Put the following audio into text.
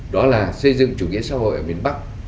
đó là xây dựng chủ nghĩa xã hội ở miền bắc